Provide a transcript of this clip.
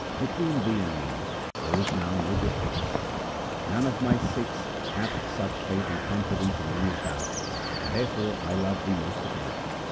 Between thee and me there is now no difference. None of my Sikhs hath such faith and confidence in me as thou, and therefore I love thee most of all.